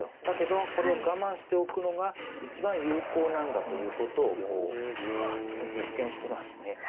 だけどこれを我慢しておくのが一番有効なんだということを実践してますね。